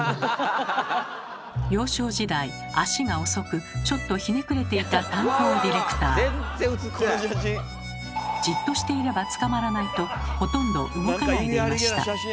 幼少時代足が遅くちょっとひねくれていた担当ディレクター。とほとんど動かないでいました。